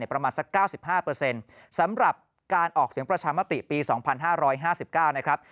ประมาณสัก๙๕สำหรับการออกเสียงประชามติปี๒๕๕๙นะครับ